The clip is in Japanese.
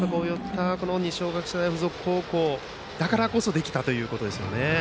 二松学舎大付属だからこそできたということですよね。